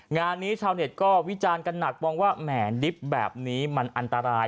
งานนี้ชาวเน็ตก็วิจารณ์กันหนักมองว่าแหมดดิบแบบนี้มันอันตราย